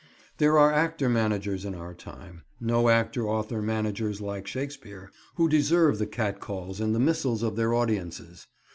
There are actor managers in our times—no actor author managers like Shakespeare—who deserve the cat calls and the missiles of their audiences.